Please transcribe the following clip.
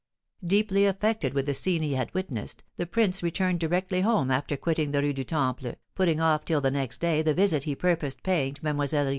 Deeply affected with the scene he had witnessed, the prince returned directly home after quitting the Rue du Temple, putting off till the next day the visit he purposed paying to Mlle.